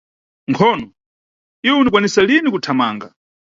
Nkhono, iwe unikwanisa lini kuthamanga.